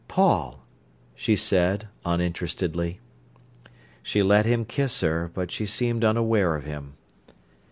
"Paul!" she said, uninterestedly. She let him kiss her, but she seemed unaware of him.